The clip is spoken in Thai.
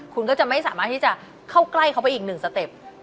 คุณก็จะไม่สามารถที่จะเข้าใกล้เขาไปอีกหนึ่งสเต็ป